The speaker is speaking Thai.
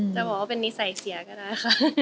จะบอกว่าเป็นนิสัยเสียก็ได้ค่ะ